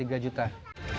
akan dikira rp dua